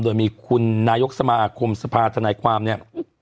โดยมีคุณนายกสมาคมสภาธนายความเนี่ย